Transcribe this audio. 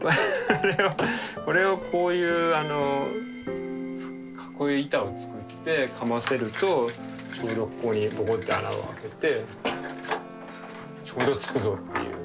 これをこういう板を作ってかませるとちょうどここにポコッて穴を開けてちょうどつくぞっていう。